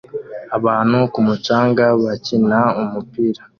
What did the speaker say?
Abantu ku mucanga bakina umupira